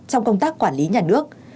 trong công tác quản lý nhà nước